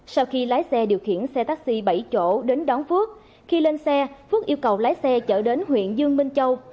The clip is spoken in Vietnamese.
sau khi lái xe điều khiển xe taxi bảy chỗ đến đón phước khi lên xe phước yêu cầu lái xe chở đến huyện dương minh châu